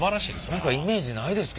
何かイメージないですけどね。